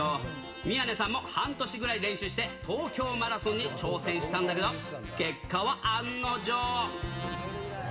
宮根さんも半年ぐらい練習して、東京マラソンに挑戦したんだけど、結果は案の定。